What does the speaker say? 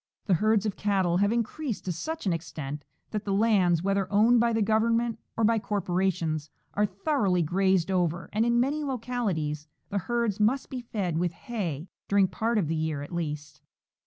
The herds of cattle have increased to such an extent that the lands, whether owned by the Government or by corporations, are thoroughly grazed over, and in many localities the herds must be fed with hay, during part of the year at least.